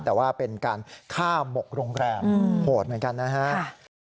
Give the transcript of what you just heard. แต่ว่าเป็นการฆ่าหมกโรงแรมโหดเหมือนกันนะฮะ